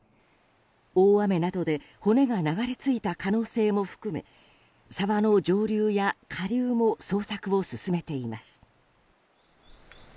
大雨などで骨が流れ着いた可能性も含め沢の上流や下流も捜索を進めています。